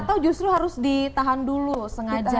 atau justru harus ditahan dulu sengaja